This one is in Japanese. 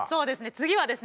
次はですね